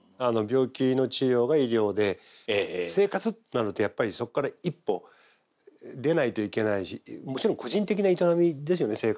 病気の治療が医療で生活ってなるとやっぱりそこから一歩出ないといけないしもちろん個人的な営みですよね